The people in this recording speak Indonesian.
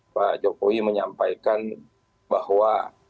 pak jokowi menyampaikan bahwa